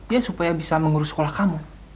ya supaya bisa mengurus sekolah kamu